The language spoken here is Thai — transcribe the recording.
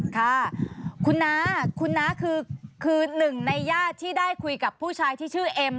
ค่ะคุณน้าคุณน้าคือหนึ่งในญาติที่ได้คุยกับผู้ชายที่ชื่อเอ็ม